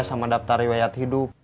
sama daftar riwayat hidup